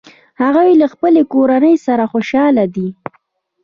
هغوی له خپلې کورنۍ سره خوشحاله دي